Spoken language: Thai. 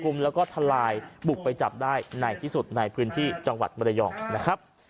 แล้วก็ทลายบุกไปจับได้ในที่สุดในพื้นที่จังหวัดมรยองนะครับ